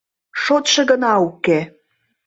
Шотшо гына уке.